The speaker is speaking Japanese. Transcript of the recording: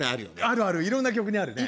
あるある色んな曲にあるね